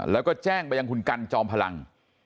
แล้วก็แจ้งไปยังคุณกันจอมพลัง